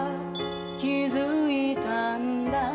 「気づいたんだ」